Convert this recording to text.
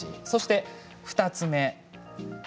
そして２つ目。